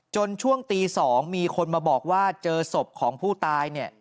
ช่วงตี๒มีคนมาบอกว่าเจอศพของผู้ตายเนี่ย